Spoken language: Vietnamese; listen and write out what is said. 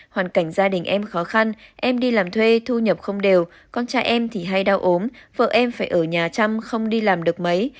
hoàn cảnh gia đình em khó khăn em đi làm thuê thu nhập không đều con trai em thì hay đau ốm vợ em phải ở nhà chăm không đi làm được mấy